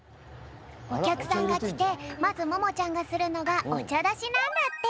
おきゃくさんがきてまずももちゃんがするのがおちゃだしなんだって！